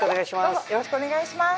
よろしくお願いします。